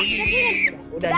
sini adik adek ayo